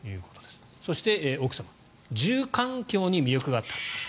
そして、奥様住環境に魅力があった。